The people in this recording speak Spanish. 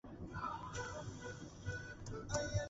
El cargo de secretario ejecutivo fue eliminado.